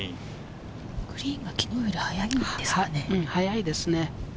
グリーンが昨日より速いんですよね。